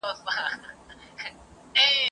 زه لکه سیوری ځمه ..